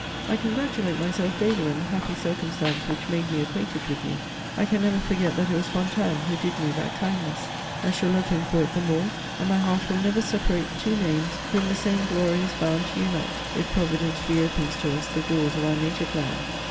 "I congratulate myself daily on the happy circumstance which made me acquainted with you; I can never forget that it was Fontanes who did me that kindness; I shall love him for it the more, and my heart will never separate two names whom the same glory is bound to unite, if Providence re opens to us the doors of our native land.